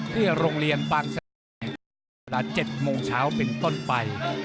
เพื่อโรงเรียนบางเสด็จตั้งแต่๗โมงเช้าเป็นต้นไป